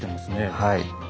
はい。